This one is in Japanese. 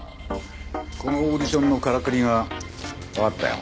このオーディションのからくりがわかったよ。